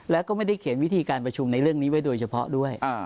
แล้วก็ไม่ได้เขียนวิธีการประชุมในเรื่องนี้ไว้โดยเฉพาะด้วย